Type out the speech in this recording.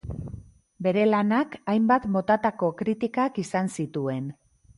Bere lanak hainbat motatako kritikak izan zituen.